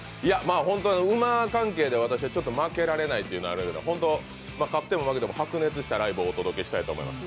本当に馬関係で私は負けられないというのがあるのでホント、勝っても負けても白熱したライブをお届けしたいと思います。